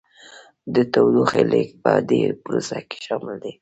د تودوخې لیږد په دې پروسه کې شامل دی.